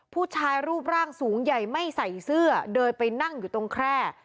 ผู้ชายรูปร่างสูงใหญ่ไม่ใส่เสื้อเดินไปนั่งอยู่ตรงแคร่